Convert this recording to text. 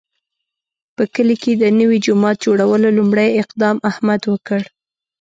په کلي کې د نوي جومات جوړولو لومړی اقدام احمد وکړ.